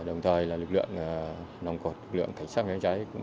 đồng thời là lực lượng nông cột lực lượng cảnh sát nhiễm cháy